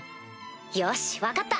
よし分かった！